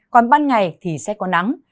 còn ban ngày thì sẽ có nắng